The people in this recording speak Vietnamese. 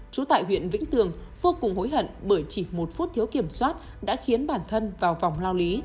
trú tại huyện vĩnh tường vô cùng hối hận bởi chỉ một phút thiếu kiểm soát đã khiến bản thân vào vòng lao lý